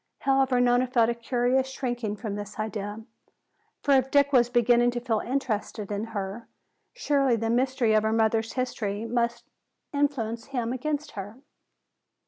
However, Nona felt a curious shrinking from this idea. For if Dick was beginning to feel interested in her, surely the mystery of her mother's history must influence him against her.